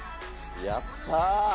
やったー。